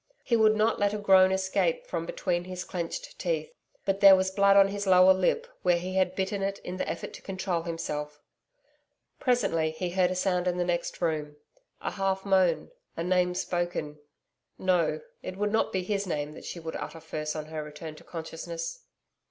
He would not let a groan escape from between his clenched teeth, but there was blood on his lower lip where he had bitten it in the effort to control himself. Presently, he heard a sound in the next room a half moan a name spoken. No, it would not be his name that she would utter first on her return to consciousness.